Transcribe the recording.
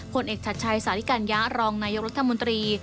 ผลเอกชัดชัยสาธิกัญญะรองนายกรัฐมนตรี